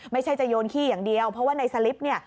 ไม่ใช่จะโยนขี้อย่างเดียวเพราะว่าในสลิปเนี่ย